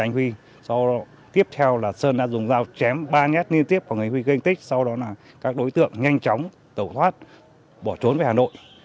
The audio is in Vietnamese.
nguyễn thái sơn đã dùng dao chém ba nhát liên tiếp vào anh huy kinh tích sau đó là các đối tượng nhanh chóng tẩu thoát bỏ trốn về hà nội